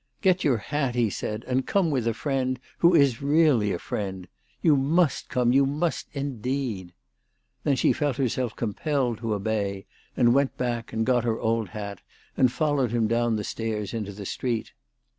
" Get your hat," he said, " and come with a friend who is really a friend. You must come ; you must, indeed." Then she felt herself com pelled to obey, and went back and got her old hat and followed him down the stairs into the street.